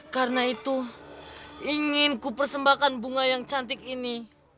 karena itu ingin ku persembahkan bunga yang cantik ini